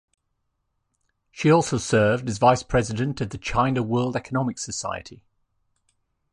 She also served as Vice President of the China World Economics Society.